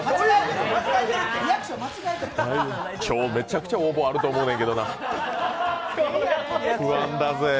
今日、めちゃくちゃ応募あると思うねんな、不安だぜ。